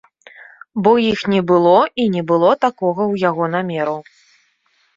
Бо іх не было і не было такога у яго намеру.